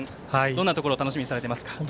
どんなところを楽しみにされていますか？